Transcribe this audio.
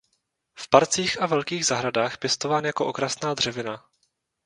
V parcích a velkých zahradách pěstován jako okrasná dřevina.